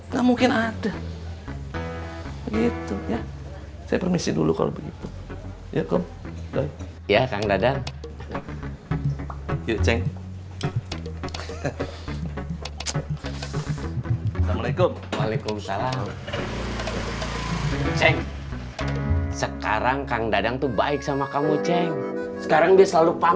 sampai jumpa di video selanjutnya